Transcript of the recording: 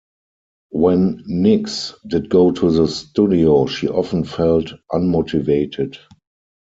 When Nicks did go to the studio, she often felt unmotivated.